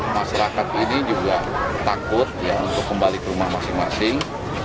masyarakat ini juga takut ya untuk kembali ke rumah masing masing